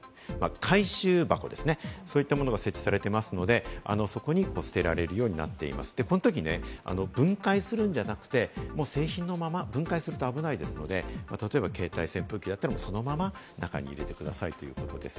回収箱ですね、そういうものが設置されているので、そこに捨てられるようになっていまして、このとき分解するんじゃなくて、もう製品のまま分解すると危ないですので、例えば、携帯扇風機であってもそのまま中に入れてくださいということです。